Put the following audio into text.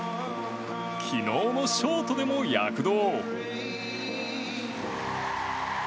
昨日のショートでも躍動。